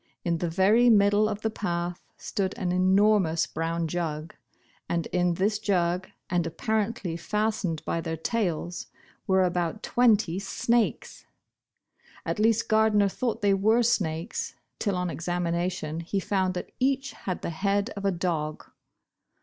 In the ver} middle of the path stood an enormous brown jug. and in this jug, and appar ently fastened by their tails, were about twent}* snakes ! At least Gardner thought they were snakes, till on examination he found that each had the head oi a dog.